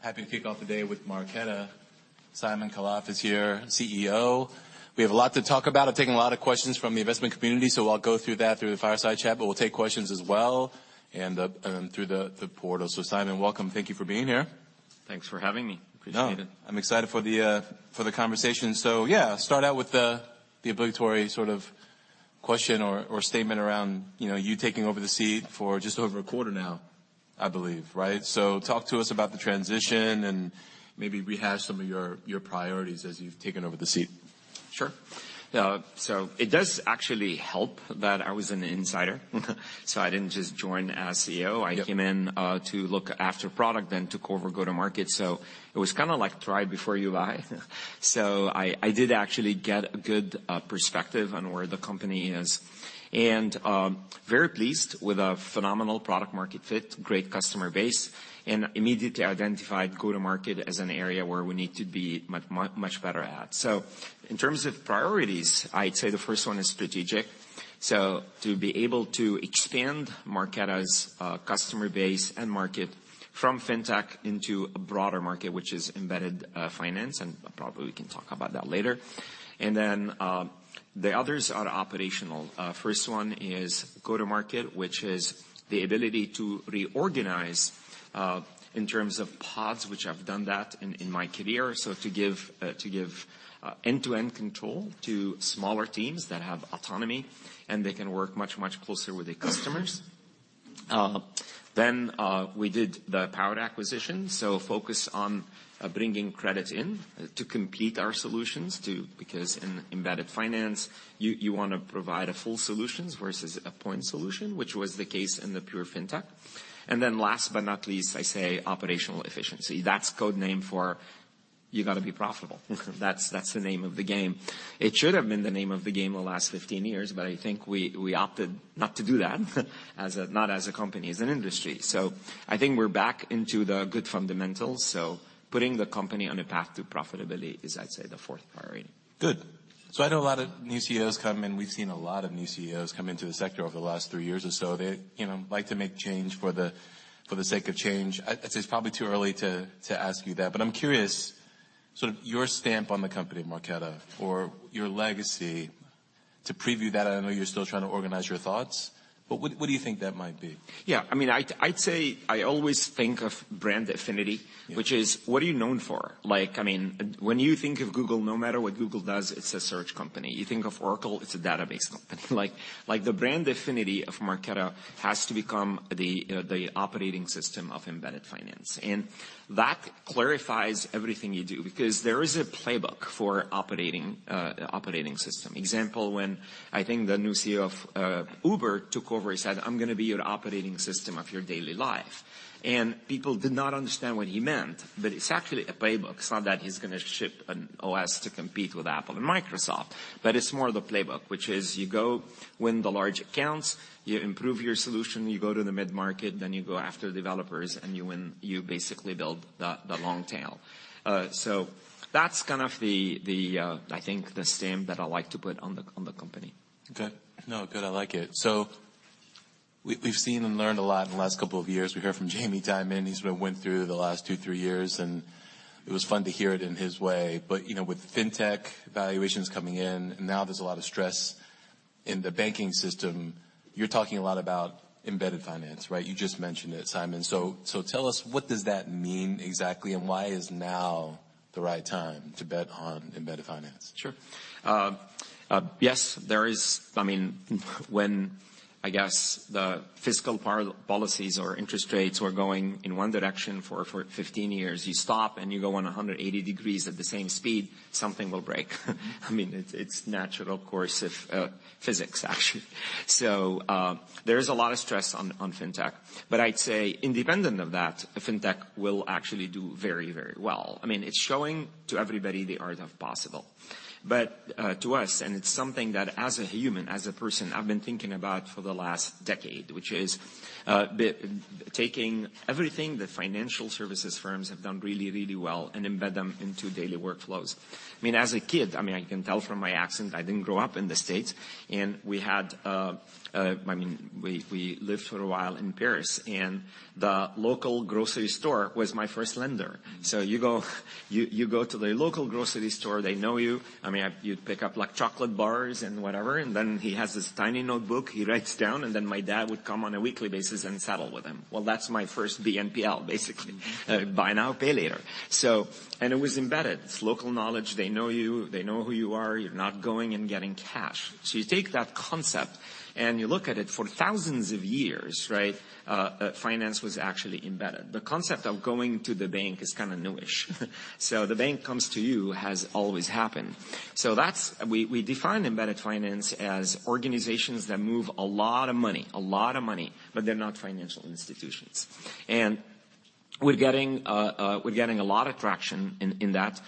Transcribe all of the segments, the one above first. Happy to kick off the day with Marqeta. Simon Khalaf is here, CEO. We have a lot to talk about. I've taken a lot of questions from the investment community. I'll go through that through the fireside chat, but we'll take questions as well and through the portal. Simon, welcome. Thank you for being here. Thanks for having me. Appreciate it. I'm excited for the, for the conversation. Yeah. Start out with the obligatory sort of question or statement around, you know, you taking over the seat for just over a quarter now, I believe, right? Talk to us about the transition and maybe rehash some of your priorities as you've taken over the seat. Sure. It does actually help that I was an insider. I didn't just join as CEO. Yep. I came in to look after product then took over go-to-market, it was kinda like try before you buy. I did actually get a good perspective on where the company is, and very pleased with a phenomenal product market fit, great customer base, and immediately identified go-to-market as an area where we need to be much better at. In terms of priorities, I'd say the first one is strategic. To be able to expand Marqeta's customer base and market from fintech into a broader market, which is embedded finance, and probably we can talk about that later. Then the others are operational. First one is go-to-market, which is the ability to reorganize in terms of pods, which I've done that in my career. To give end-to-end control to smaller teams that have autonomy, and they can work much closer with their customers. We did the Power acquisition. Focus on bringing credit in to compete our solutions because in embedded finance, you wanna provide a full solutions versus a point solution, which was the case in the pure fintech. Last but not least, I say operational efficiency. That's code name for you gotta be profitable. That's the name of the game. It should have been the name of the game the last 15 years, but I think we opted not to do that, not as a company, as an industry. I think we're back into the good fundamentals, so putting the company on a path to profitability is, I'd say, the fourth priority. Good. I know a lot of new CEOs come in. We've seen a lot of new CEOs come into the sector over the last three years or so. They, you know, like to make change for the sake of change. I'd say it's probably too early to ask you that, but I'm curious, sort of your stamp on the company, Marqeta, or your legacy to preview that. I know you're still trying to organize your thoughts, but what do you think that might be? Yeah. I mean, I'd say I always think of brand affinity- Yeah... which is what are you known for? Like, I mean, when you think of Google, no matter what Google does, it's a search company. You think of Oracle, it's a database company. Like, the brand affinity of Marqeta has to become the operating system of embedded finance. That clarifies everything you do because there is a playbook for operating system. Example, when I think the new CEO of Uber took over, he said, "I'm gonna be your operating system of your daily life." People did not understand what he meant, but it's actually a playbook. It's not that he's gonna ship an OS to compete with Apple and Microsoft, it's more the playbook, which is you go win the large accounts, you improve your solution, you go to the mid-market, then you go after developers, and you win. You basically build the long tail. That's kind of the, I think the stamp that I like to put on the, on the company. Okay. No, good. I like it. We've seen and learned a lot in the last couple of years. We heard from Jamie Dimon. He sort of went through the last two, three years, and it was fun to hear it in his way. You know, with fintech valuations coming in, now there's a lot of stress in the banking system. You're talking a lot about embedded finance, right? You just mentioned it, Simon. Tell us what does that mean exactly, and why is now the right time to bet on embedded finance? Sure. Yes, there is. I mean, when, I guess, the fiscal policies or interest rates are going in one direction for 15 years, you stop, and you go on 180 degrees at the same speed, something will break. I mean, it's its natural course of physics, actually. There is a lot of stress on fintech. I'd say independent of that, fintech will actually do very well. I mean, it's showing to everybody the art of possible. To us, and it's something that as a human, as a person, I've been thinking about for the last decade, which is taking everything the financial services firms have done really well and embed them into daily workflows. I mean, as a kid, I mean, I can tell from my accent, I didn't grow up in the States. We had, I mean, we lived for a while in Paris. The local grocery store was my first lender. Mm. You go, you go to the local grocery store, they know you. I mean, you'd pick up like chocolate bars and whatever, and then he has this tiny notebook he writes down, and then my dad would come on a weekly basis and settle with him. That's my first BNPL basically, buy now, pay later. It was embedded. It's local knowledge. They know you. They know who you are. You're not going and getting cash. You take that concept, and you look at it for thousands of years, right? Finance was actually embedded. The concept of going to the bank is kinda new-ish. The bank comes to you has always happened. That's. We define embedded finance as organizations that move a lot of money, a lot of money, but they're not financial institutions. We're getting a lot of traction in that.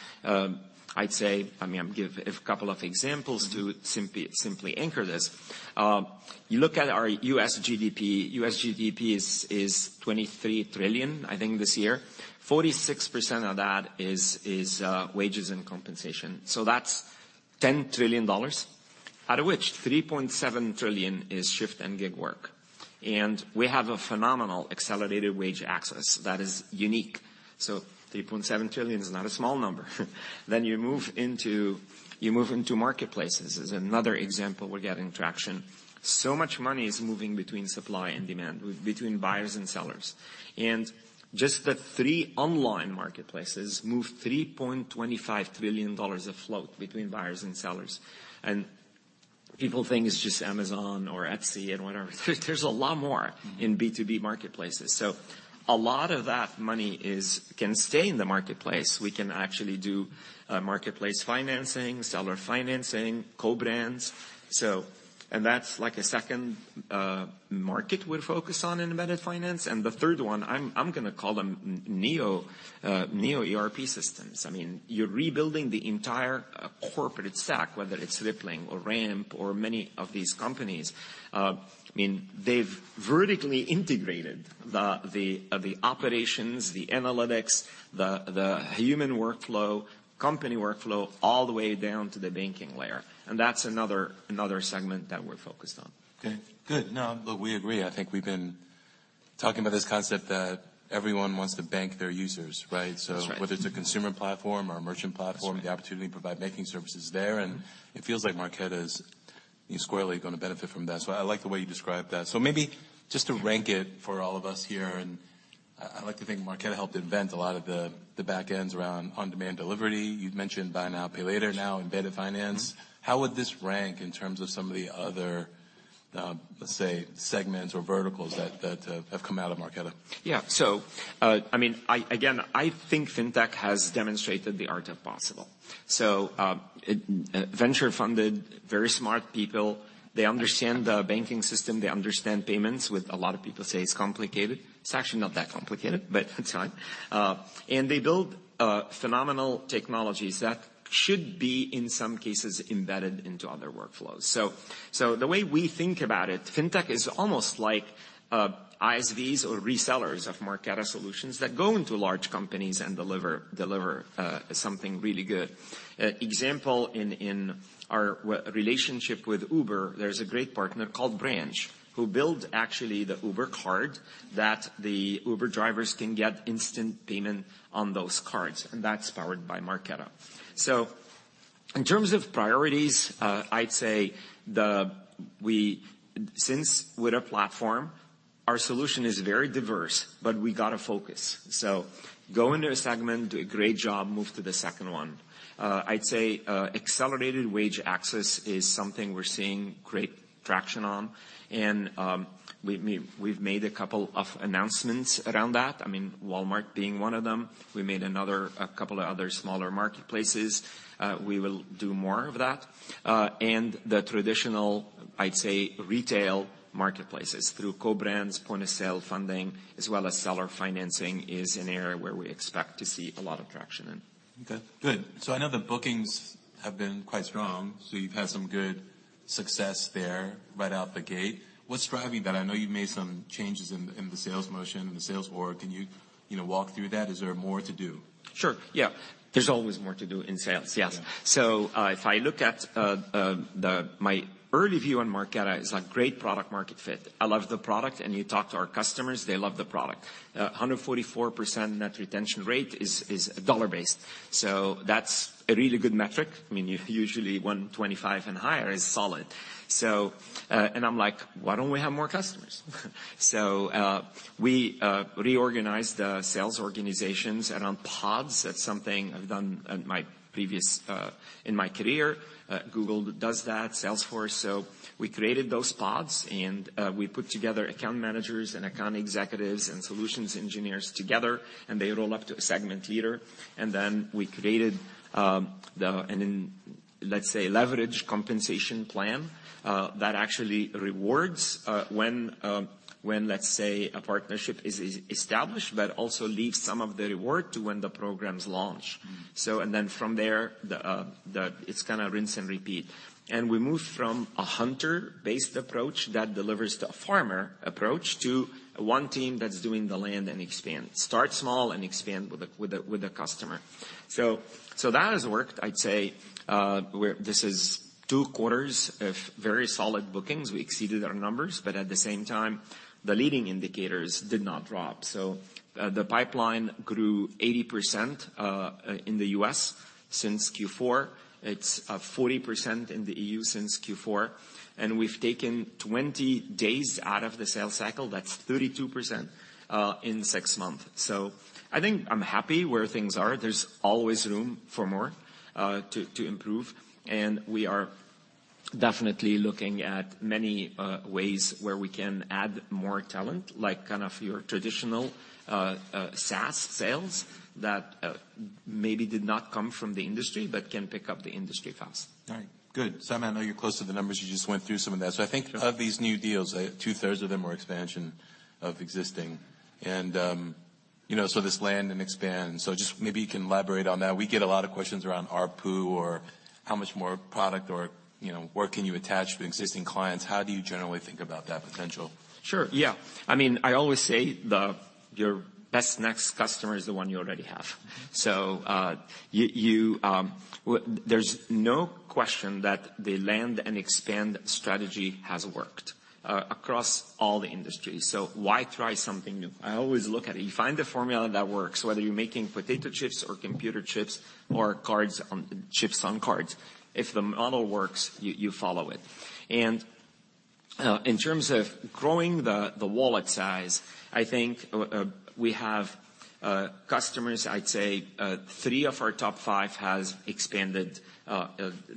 I'd say, I mean, I'll give a couple of examples. Mm-hmm... to simply anchor this. You look at our US GDP. US GDP is $23 trillion, I think, this year. 46% of that is wages and compensation, so that's $10 trillion. Out of which $3.7 trillion is shift and gig work. We have a phenomenal Accelerated Wage Access that is unique. $3.7 trillion is not a small number. You move into marketplaces, is another example we're getting traction. So much money is moving between supply and demand, between buyers and sellers. Just the three online marketplaces move $3.25 trillion of float between buyers and sellers. People think it's just Amazon or Etsy and whatever. There's a lot more- Mm-hmm. -in B2B marketplaces. A lot of that money can stay in the marketplace. We can actually do marketplace financing, seller financing, co-brands. That's like a second market we're focused on in embedded finance. The third one, I'm gonna call them Neo ERP systems. I mean, you're rebuilding the entire corporate stack, whether it's Rippling or Ramp or many of these companies. I mean, they've vertically integrated the operations, the analytics, the human workflow, company workflow, all the way down to the banking layer. That's another segment that we're focused on. Okay. Good. No, look, we agree. I think we've been talking about this concept that everyone wants to bank their users, right? That's right. Whether it's a consumer platform or a merchant platform. That's right. the opportunity to provide banking services there. It feels like Marqeta is squarely gonna benefit from that. I like the way you described that. Maybe just to rank it for all of us here, I like to think Marqeta helped invent a lot of the backends around On-Demand Delivery. You've mentioned buy now, pay later now in embedded finance. Mm-hmm. How would this rank in terms of some of the other, let's say, segments or verticals that have come out of Marqeta? Yeah. I mean, Again, I think fintech has demonstrated the art of possible. Venture funded, very smart people, they understand the banking system, they understand payments, with a lot of people say it's complicated. It's actually not that complicated, but it's fine. They build phenomenal technologies that should be, in some cases, embedded into other workflows. The way we think about it, fintech is almost like ISVs or resellers of Marqeta solutions that go into large companies and deliver something really good. Example, in our, well, relationship with Uber, there's a great partner called Branch, who build actually the Uber card that the Uber drivers can get instant payment on those cards. That's powered by Marqeta. In terms of priorities, I'd say. Since we're a platform, our solution is very diverse, we gotta focus. Go into a segment, do a great job, move to the second one. I'd say, Accelerated Wage Access is something we're seeing great traction on, we've made a couple of announcements around that. I mean, Walmart being one of them. We made another, a couple of other smaller marketplaces. We will do more of that. The traditional, I'd say, retail marketplaces through co-branding, point-of-sale funding, as well as seller financing, is an area where we expect to see a lot of traction in. Okay, good. I know the bookings have been quite strong. You've had some good success there right out the gate. What's driving that? I know you've made some changes in the sales motion and the sales board. Can you know, walk through that? Is there more to do? Sure, yeah. There's always more to do in sales, yes. Yeah. If I look at the... My early view on Marqeta is a great product-market fit. I love the product, and you talk to our customers, they love the product. 144% net retention rate is dollar-based. That's a really good metric. I mean, usually 125 and higher is solid. I'm like, "Why don't we have more customers?" We reorganized the sales organizations around pods. That's something I've done at my previous in my career. Google does that, Salesforce. We created those pods, and we put together account managers and account executives and solutions engineers together, and they roll up to a segment leader. We created the... Then, let's say, leverage compensation plan, that actually rewards, when, let's say, a partnership is established, but also leaves some of the reward to when the programs launch. Mm. From there, it's kind of rinse and repeat. We moved from a hunter-based approach that delivers to a farmer approach to one team that's doing the land and expand. Start small and expand with a customer. That has worked. I'd say, this is two quarters of very solid bookings. We exceeded our numbers, but at the same time, the leading indicators did not drop. The pipeline grew 80% in the US since Q4. It's 40% in the EU since Q4. We've taken 20 days out of the sales cycle. That's 32% in six months. I think I'm happy where things are. There's always room for more to improve. We are definitely looking at many ways where we can add more talent, like kind of your traditional SaaS sales that maybe did not come from the industry, but can pick up the industry fast. All right. Good. Sam, I know you're close to the numbers. You just went through some of that. Sure. -of these new deals, two-thirds of them are expansion of existing. You know, this land and expand. Just maybe you can elaborate on that. We get a lot of questions around ARPU or how much more product or, you know, where can you attach to existing clients? How do you generally think about that potential? Sure, yeah. I mean, I always say, your best next customer is the one you already have. There's no question that the land and expand strategy has worked across all the industries. Why try something new? I always look at it, you find the formula that works, whether you're making potato chips or computer chips or chips on cards. If the model works, you follow it. In terms of growing the wallet size, I think, we have customers, I'd say, three of our top five has expanded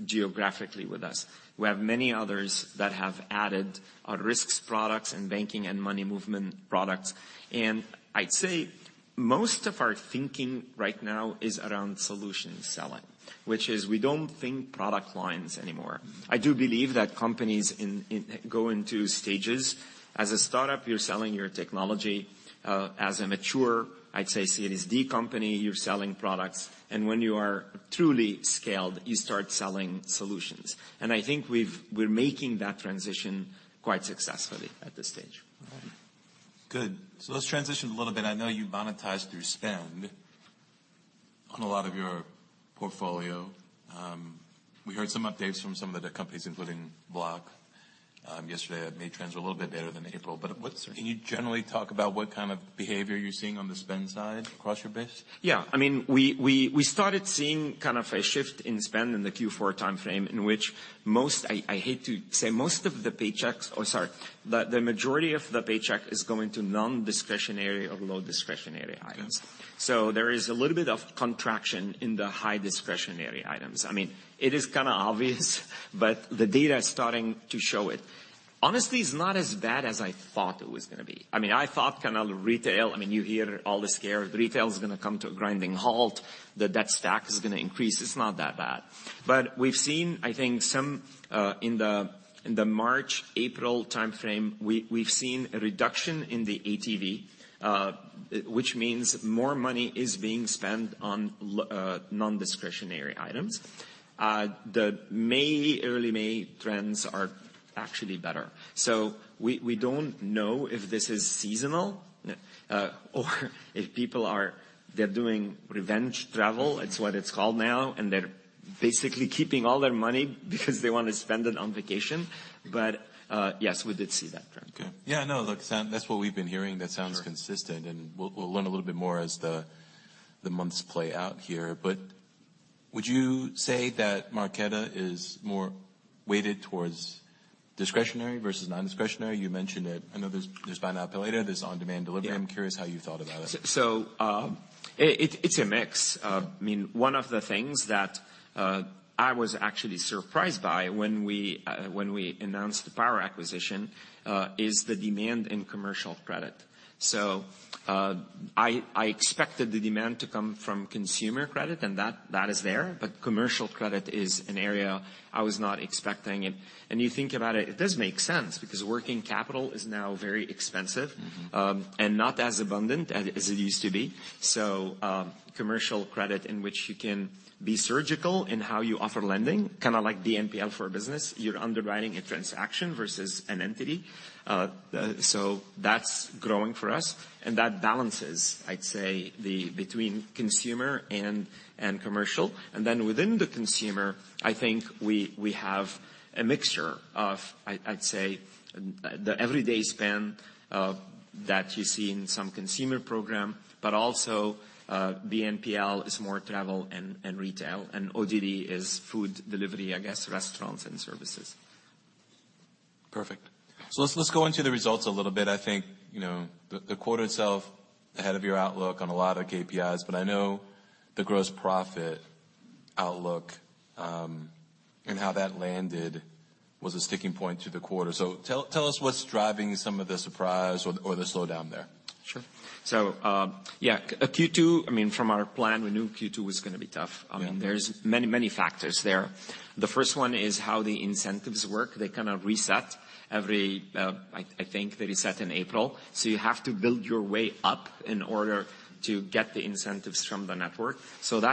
geographically with us. We have many others that have added our risks products and banking and money movement products. I'd say most of our thinking right now is around solution selling, which is we don't think product lines anymore. I do believe that companies in stages. As a startup, you're selling your technology. As a mature, I'd say, CDSD company, you're selling products, and when you are truly scaled, you start selling solutions. I think we're making that transition quite successfully at this stage. All right. Good. Let's transition a little bit. I know you monetize through spend on a lot of your portfolio. We heard some updates from some of the companies, including Block, yesterday. May trends were a little bit better than April. Sure. Can you generally talk about what kind of behavior you're seeing on the spend side across your base? Yeah, I mean, we started seeing kind of a shift in spend in the Q4 timeframe, in which, I hate to say, the majority of the paycheck is going to nondiscretionary or low-discretionary items. Okay. There is a little bit of contraction in the high-discretionary items. I mean, it is kind of obvious, but the data is starting to show it. Honestly, it's not as bad as I thought it was going to be. I mean, I thought kind of retail, I mean, you hear all the scare, retail is going to come to a grinding halt, the debt stack is going to increase. It's not that bad. We've seen, I think, some in the March-April timeframe, we've seen a reduction in the ATV, which means more money is being spent on nondiscretionary items. The May, early May trends are actually better. We don't know if this is seasonal or if people they're doing revenge travel. It's what it's called now, and they're basically keeping all their money because they want to spend it on vacation. Yes, we did see that trend. Okay. Yeah, no, look, That's what we've been hearing. That sounds- Sure. consistent, and we'll learn a little bit more as the months play out here. Would you say that Marqeta is more weighted towards discretionary versus nondiscretionary? You mentioned it. I know there's Buy Now, Pay Later, there's On-Demand Delivery. Yeah. I'm curious how you thought about it. It's a mix. I mean, one of the things that I was actually surprised by when we announced the Power acquisition is the demand in commercial credit. I expected the demand to come from consumer credit, and that is there, but commercial credit is an area I was not expecting. You think about it does make sense because working capital is now very expensive- Mm-hmm. Not as abundant as it used to be. Commercial credit in which you can be surgical in how you offer lending, kinda like BNPL for a business, you're underwriting a transaction versus an entity. That's growing for us, and that balances, I'd say, the between consumer and commercial. Within the consumer, I think we have a mixture of, I'd say, the everyday spend that you see in some consumer program, but also BNPL is more travel and retail, and ODD is food delivery, I guess, restaurants and services. Perfect. Let's go into the results a little bit. I think, you know, the quarter itself ahead of your outlook on a lot of KPIs, but I know the gross profit outlook, and how that landed was a sticking point to the quarter. Tell us what's driving some of the surprise or the slowdown there? Sure. yeah, Q2, I mean, from our plan, we knew Q2 was gonna be tough. Yeah. I mean, there's many factors there. The first one is how the incentives work. They kind of reset. I think they reset in April. You have to build your way up in order to get the incentives from the network. Then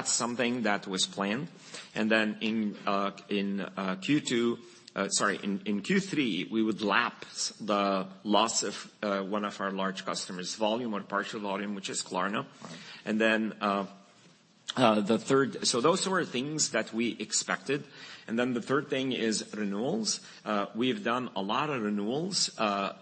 sorry. In Q3, we would lapse the loss of one of our large customers' volume or partial volume, which is Klarna. Right. The third. Those were things that we expected. The third thing is renewals. We have done a lot of renewals,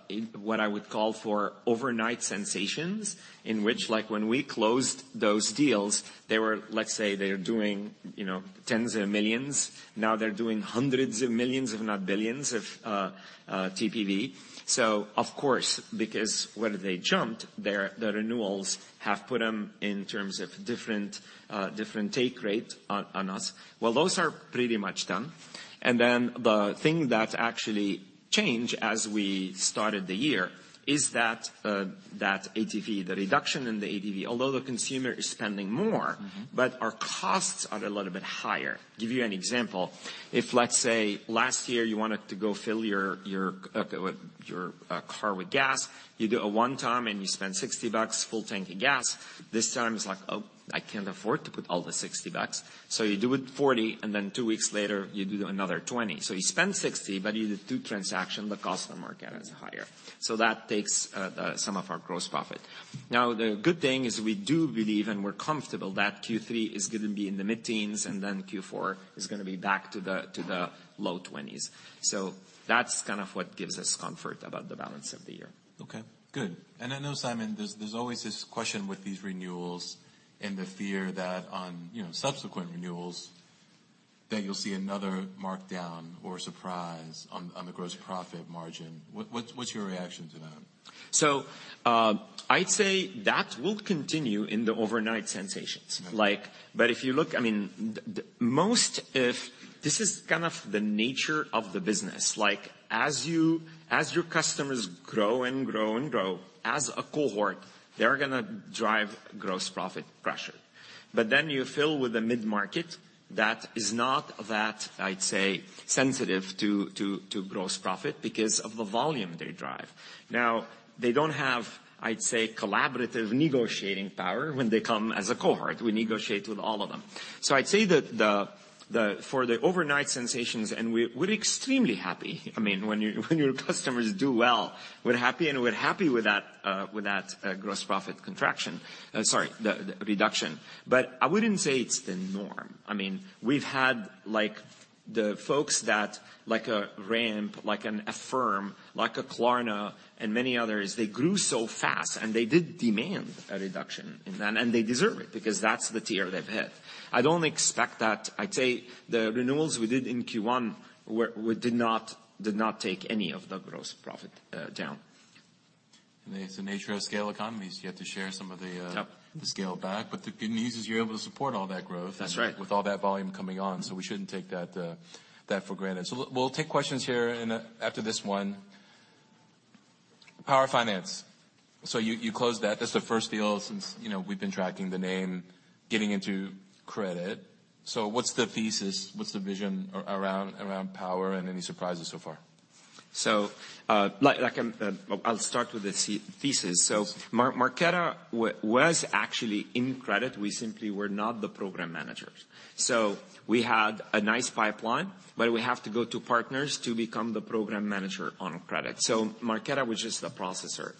in what I would call for overnight sensations, in which like when we closed those deals, they were, let's say, they're doing, you know, tens of millions. Now they're doing hundreds of millions, if not billions of TPV. Of course, because when they jumped, the renewals have put them in terms of different take rate on us. Those are pretty much done. The thing that actually change as we started the year is that ATV, the reduction in the ATV, although the consumer is spending more. Mm-hmm Our costs are a little bit higher. Give you an example. If, let's say, last year you wanted to go fill your car with gas, you do a one-time and you spend $60, full tank of gas. This time it's like, "Oh, I can't afford to put all the $60." You do it $40, and then two weeks later, you do another $20. You spend $60, but you do two transactions, the cost of Marqeta is higher. That takes some of our gross profit. The good thing is we do believe, and we're comfortable that Q3 is gonna be in the mid-teens, and then Q4 is gonna be back to the low 20s%. That's kind of what gives us comfort about the balance of the year. Okay. Good. I know, Simon, there's always this question with these renewals and the fear that on, you know, subsequent renewals that you'll see another markdown or surprise on the gross profit margin. What's your reaction to that? I'd say that will continue in the overnight sensations. Okay. This is kind of the nature of the business. As your customers grow and grow and grow, as a cohort, they're going to drive gross profit pressure. You fill with the mid-market that is not that, I'd say, sensitive to gross profit because of the volume they drive. They don't have, I'd say, collaborative negotiating power when they come as a cohort. We negotiate with all of them. I'd say that the for the overnight sensations, and we're extremely happy. When your customers do well, we're happy, and we're happy with that with that gross profit contraction. Sorry, the reduction. I wouldn't say it's the norm. I mean, we've had, like, the folks that, like a Ramp, like an Affirm, like a Klarna, and many others, they grew so fast, and they did demand a reduction in then, and they deserve it because that's the tier they've hit. I don't expect that. I'd say the renewals we did in Q1 did not take any of the gross profit down. It's the nature of scale economies. You have to share some of the. Yep ...the scale back. The good news is you're able to support all that growth. That's right. ...with all that volume coming on. We shouldn't take that for granted. We'll take questions here after this one. Power Finance. You closed that. That's the first deal since, you know, we've been tracking the name, getting into credit. What's the thesis? What's the vision around Power and any surprises so far? like I'll start with the thesis. Thesis. Marqeta was actually in credit. We simply were not the program managers. We had a nice pipeline, but we have to go to partners to become the program manager on credit. Marqeta was just the processor.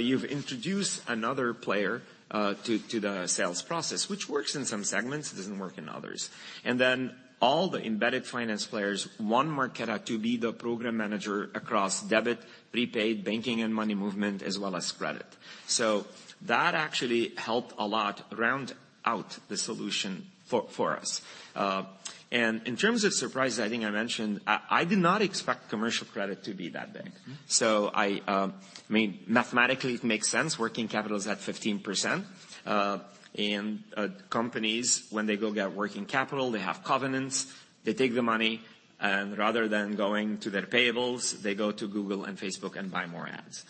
You've introduced another player to the sales process, which works in some segments, it doesn't work in others. All the embedded finance players want Marqeta to be the program manager across debit, prepaid, banking, and money movement, as well as credit. That actually helped a lot round out the solution for us. In terms of surprises, I think I mentioned, I did not expect commercial credit to be that big. Mm-hmm. I mean, mathematically, it makes sense. Working capital is at 15%, and companies, when they go get working capital, they have covenants, they take the money, and rather than going to their payables, they go to Google and Facebook and buy more ads.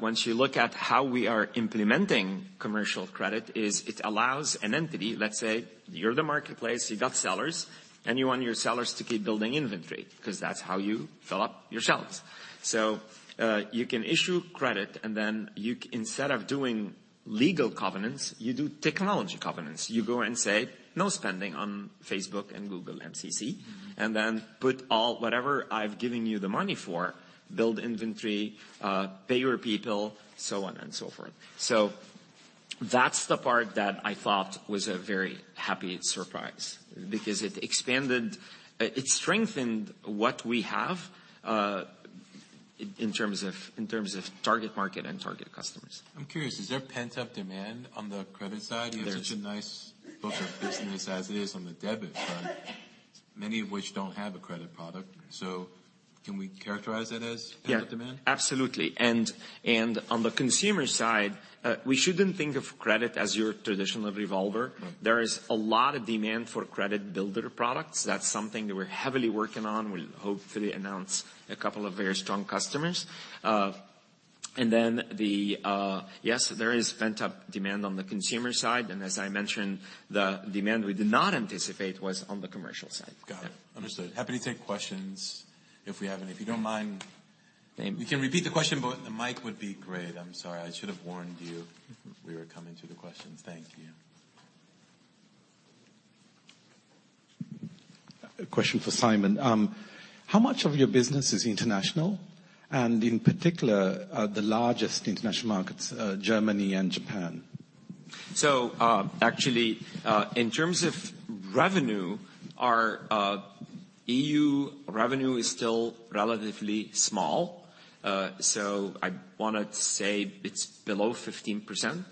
Once you look at how we are implementing commercial credit is it allows an entity, let's say, you're the marketplace, you got sellers, and you want your sellers to keep building inventory 'cause that's how you fill up your shelves. You can issue credit, and then instead of doing legal covenants, you do technology covenants. You go and say, "No spending on Facebook and Google, MCC. Mm-hmm. put all whatever I've given you the money for, build inventory, pay your people, so on and so forth. That's the part that I thought was a very happy surprise because it expanded. It strengthened what we have in terms of target market and target customers. I'm curious, is there pent-up demand on the credit side? There is. You have such a nice book of business as it is on the debit front, many of which don't have a credit product. Can we characterize that as pent-up demand? Yeah. Absolutely. On the consumer side, we shouldn't think of credit as your traditional revolver. Right. There is a lot of demand for credit-builder products. That's something that we're heavily working on. We'll hopefully announce a couple of very strong customers. Yes, there is pent-up demand on the consumer side, and as I mentioned, the demand we did not anticipate was on the commercial side. Got it. Understood. Happy to take questions if we have any. If you don't mind- Name? you can repeat the question, but the mic would be great. I'm sorry. I should have warned you we were coming to the questions. Thank you. A question for Simon. How much of your business is international, and in particular, the largest international markets, Germany and Japan? Actually, in terms of revenue, our EU revenue is still relatively small. I wanna say it's below 15%.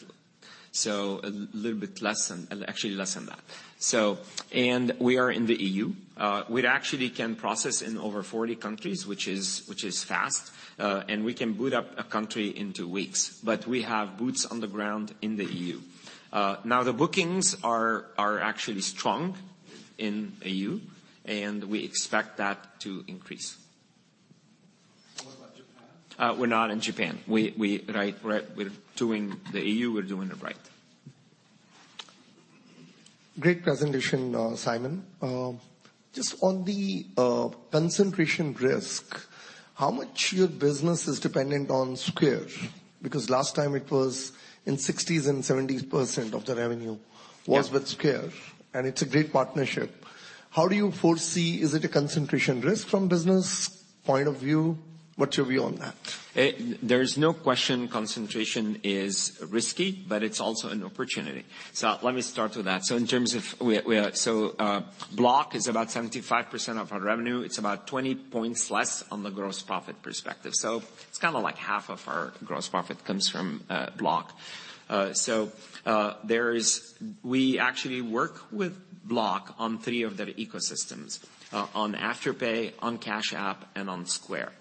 A little bit less than, actually less than that. We are in the EU, we actually can process in over 40 countries, which is fast. We can boot up a country in two weeks, but we have boots on the ground in the EU. Now the bookings are actually strong in EU, and we expect that to increase. What about Japan? We're not in Japan. We Right, we're doing the EU, we're doing it right. Great presentation, Simon. Just on the concentration risk, how much your business is dependent on Square? Because last time it was in 60s and 70% of the revenue- Yeah. -was with Square, and it's a great partnership. How do you foresee... Is it a concentration risk from business point of view? What's your view on that? There's no question concentration is risky, it's also an opportunity. Let me start with that. In terms of Block is about 75% of our revenue. It's about 20 points less on the gross profit perspective. It's kinda like half of our gross profit comes from Block. We actually work with Block on three of their ecosystems, on Afterpay, on Cash App, and on Square.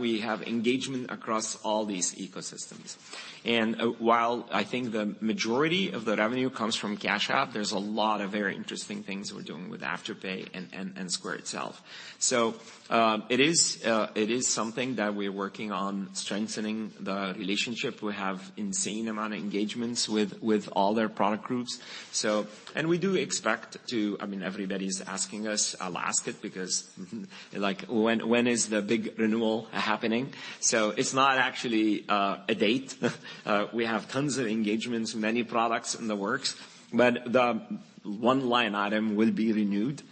We have engagement across all these ecosystems. While I think the majority of the revenue comes from Cash App, there's a lot of very interesting things we're doing with Afterpay and Square itself. It is something that we're working on strengthening the relationship. We have insane amount of engagements with all their product groups. We do expect to... I mean, everybody's asking us, I'll ask it because, like, when is the big renewal happening? It's not actually a date. We have tons of engagements, many products in the works. The one line item will be renewed.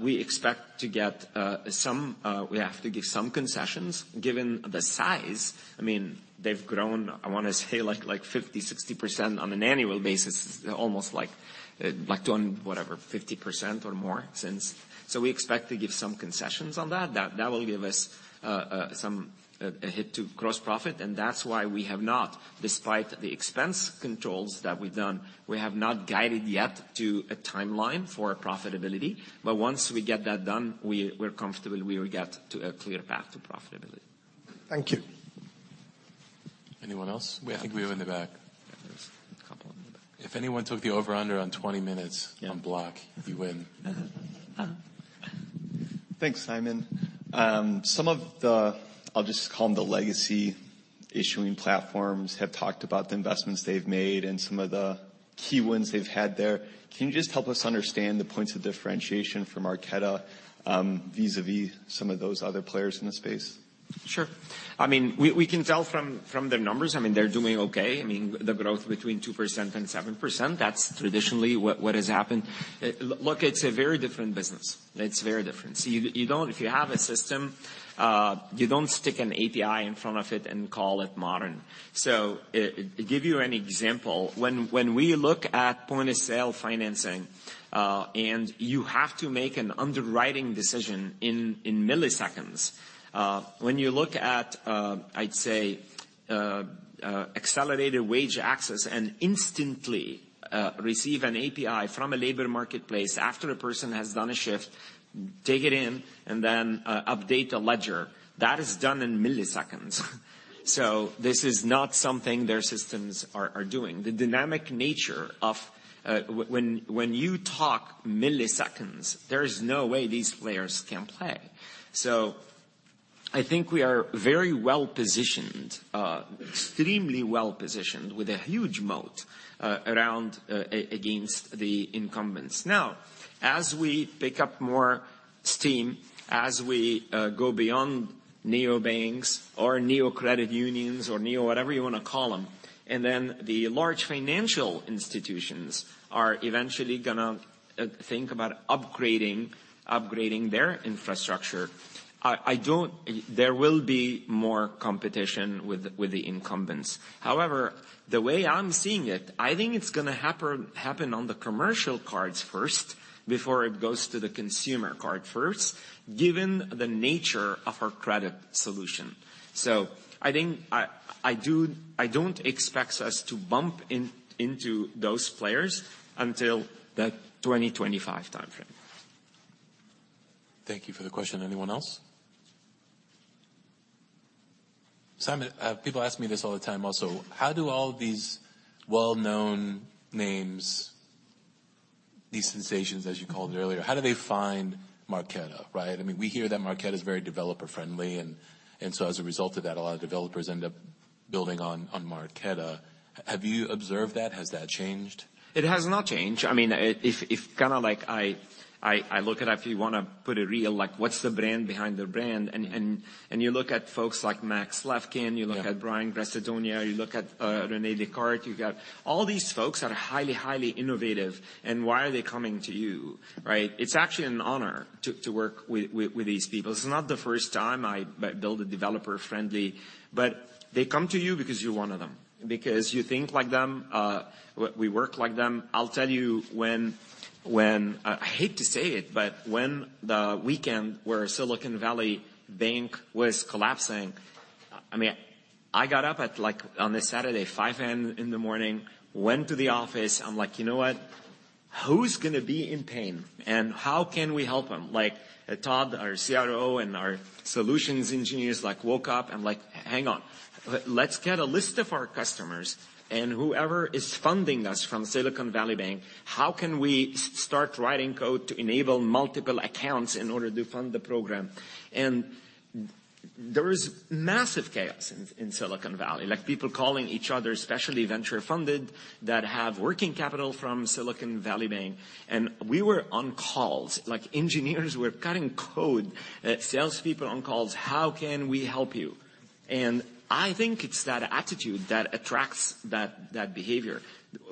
We expect to get some... We have to give some concessions given the size. I mean, they've grown, I wanna say, like, 50%, 60% on an annual basis, almost like, doing whatever, 50% or more since. We expect to give some concessions on that. That will give us some, a hit to gross profit. That's why we have not, despite the expense controls that we've done, we have not guided yet to a timeline for profitability. Once we get that done, we're comfortable we will get to a clear path to profitability. Thank you. Anyone else? I think we have in the back. Yes. Couple in the back. If anyone took the over under on 20 minutes. Yeah. on Block, you win. Thanks, Simon. Some of the, I'll just call them the legacy issuing platforms, have talked about the investments they've made and some of the key ones they've had there. Can you just help us understand the points of differentiation from Marqeta, vis-à-vis some of those other players in the space? Sure. I mean, we can tell from the numbers, I mean, they're doing okay. I mean, the growth between 2% and 7%, that's traditionally what has happened. Look, it's a very different business. It's very different. You don't. If you have a system, you don't stick an API in front of it and call it modern. Give you an example. When we look at point-of-sale financing, and you have to make an underwriting decision in milliseconds, when you look at, I'd say, Accelerated Wage Access and instantly receive an API from a labor marketplace after a person has done a shift, take it in, and then update the ledger, that is done in milliseconds. This is not something their systems are doing. The dynamic nature of, when you talk milliseconds, there is no way these players can play. I think we are very well-positioned, extremely well-positioned with a huge moat around against the incumbents. As we pick up more steam, as we go beyond neobanks or neocredit unions or neo whatever you wanna call them, the large financial institutions are eventually gonna think about upgrading their infrastructure. There will be more competition with the incumbents. The way I'm seeing it, I think it's gonna happen on the commercial cards first before it goes to the consumer card first, given the nature of our credit solution. I think I don't expect us to bump into those players until the 2025 timeframe. Thank you for the question. Anyone else? Simon, people ask me this all the time also. How do all these well-known names, these sensations, as you called it earlier, how do they find Marqeta, right? I mean, we hear that Marqeta is very developer-friendly, and so as a result of that, a lot of developers end up building on Marqeta. Have you observed that? Has that changed? It has not changed. I mean, if kinda like I look at if you wanna put it real, like what's the brand behind the brand? Mm-hmm. You look at folks like Max Levchin. Yeah. you look at Brian Grassadonia, you look at Ryan Breslow, you got all these folks that are highly innovative, and why are they coming to you, right? It's actually an honor to work with these people. It's not the first time I build a developer-friendly. They come to you because you're one of them, because you think like them, we work like them. I'll tell you when I hate to say it, but when the weekend where Silicon Valley Bank was collapsing. I mean, I got up at like, on a Saturday, 5:00 A.M. in the morning, went to the office. I'm like, "You know what? Who's gonna be in pain, and how can we help them?" Like Todd, our CRO and our solutions engineers like woke up and like, "Hang on. Let's get a list of our customers and whoever is funding us from Silicon Valley Bank, how can we start writing code to enable multiple accounts in order to fund the program? There is massive chaos in Silicon Valley, like people calling each other, especially venture-funded, that have working capital from Silicon Valley Bank. We were on calls, like engineers were cutting code, salespeople on calls, "How can we help you?" I think it's that attitude that attracts that behavior.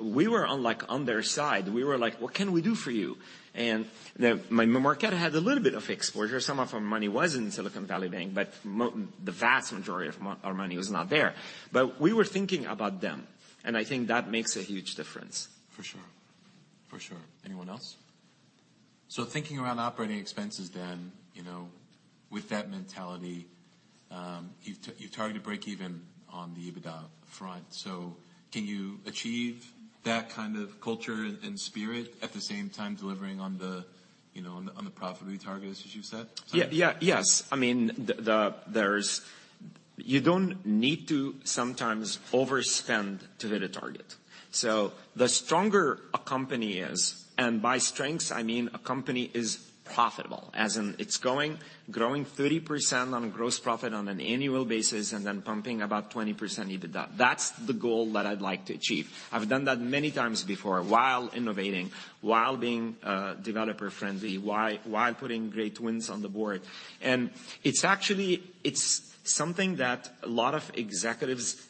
We were on like, their side. We were like, "What can we do for you?" Marqeta had a little bit of exposure. Some of our money was in Silicon Valley Bank, but the vast majority of our money was not there. We were thinking about them, and I think that makes a huge difference. For sure. For sure. Anyone else? Thinking around operating expenses then, you know, with that mentality, you targeted breakeven on the EBITDA front. Can you achieve that kind of culture and spirit at the same time delivering on the, you know, on the profitability targets, as you said? Yes. I mean, you don't need to sometimes overspend to hit a target. The stronger a company is, and by strengths, I mean a company is profitable, as in it's going, growing 30% on gross profit on an annual basis and then pumping about 20% EBITDA. That's the goal that I'd like to achieve. I've done that many times before while innovating, while being developer-friendly, while putting great wins on the board. It's actually it's something that a lot of executives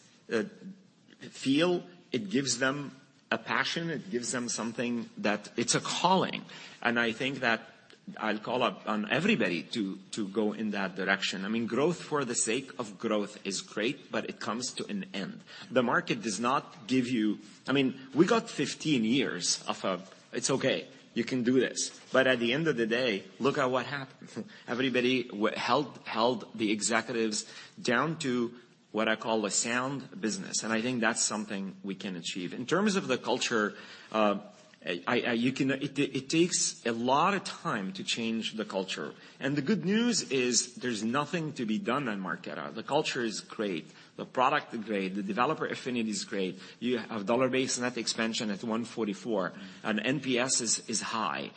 feel. It gives them a passion. It gives them something. It's a calling. I think that I'll call up on everybody to go in that direction. I mean, growth for the sake of growth is great, but it comes to an end. The market does not give you. I mean, we got 15 years of, "It's okay, you can do this." At the end of the day, look at what happened. Everybody held the executives down to what I call a sound business. I think that's something we can achieve. In terms of the culture, It takes a lot of time to change the culture. The good news is, there's nothing to be done on Marqeta. The culture is great, the product is great, the developer affinity is great. You have dollar-based net expansion at 144, and NPS is high.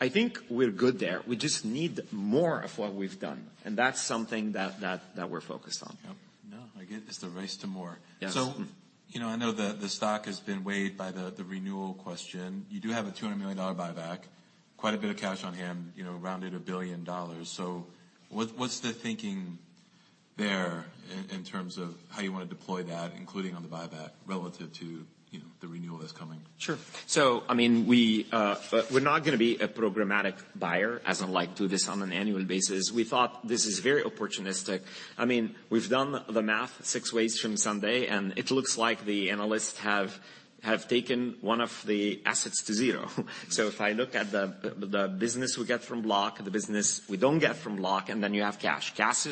I think we're good there. We just need more of what we've done, and that's something that we're focused on. Yep. No, I get it. It's the race to more. Yes. You know, I know the stock has been weighed by the renewal question. You do have a $200 million buyback, quite a bit of cash on hand, you know, around $1 billion. What's the thinking there in terms of how you wanna deploy that, including on the buyback relative to, you know, the renewal that's coming? Sure. I mean, we're not gonna be a programmatic buyer, as in like do this on an annual basis. We thought this is very opportunistic. I mean, we've done the math six ways from Sunday, and it looks like the analysts have taken one of the assets to zero. If I look at the business we get from Block, the business we don't get from Block, and then you have cash. Cash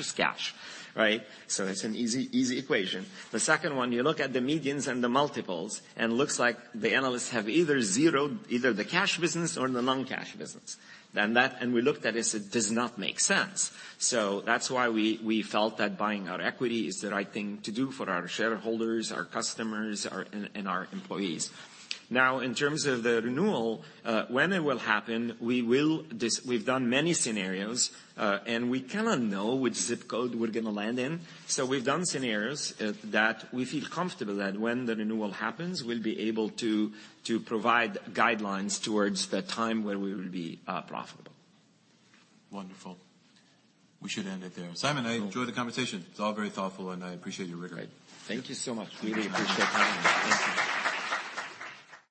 is cash, right? It's an easy equation. The second one, you look at the medians and the multiples, and looks like the analysts have either zeroed either the cash business or the non-cash business. That. We looked at it does not make sense. That's why we felt that buying our equity is the right thing to do for our shareholders, our customers, and our employees. In terms of the renewal, when it will happen, We've done many scenarios, and we cannot know which zip code we're gonna land in. We've done scenarios that we feel comfortable that when the renewal happens, we'll be able to provide guidelines towards the time where we will be profitable. Wonderful. We should end it there. Simon, I enjoyed the conversation. It's all very thoughtful, and I appreciate your rigor. Great. Thank you so much. Really appreciate the time. Thank you.